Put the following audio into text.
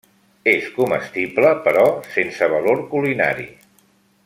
És comestible, però sense valor culinari.